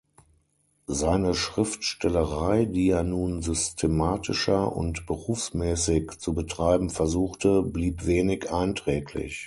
Seine Schriftstellerei, die er nun systematischer und berufsmäßig zu betreiben versuchte, blieb wenig einträglich.